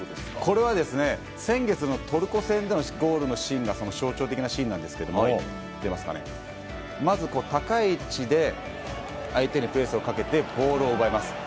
これは先月のトルコ戦でのシーンが象徴的なシーンなんですがまず高い位置で相手にプレスをかけてボールを奪います。